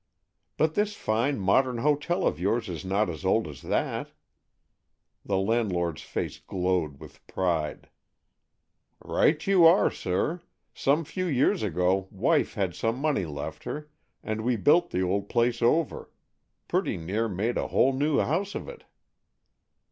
"But this fine modern hotel of yours is not as old as that?" The landlord's face glowed with pride. "Right you are, sir. Some few years ago wife had some money left her, and we built the old place over—pretty near made a whole new house of it."